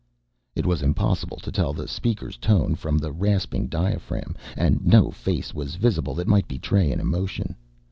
It was impossible to tell the speaker's tone from the rasping diaphragm, and no face was visible that might betray an emotion.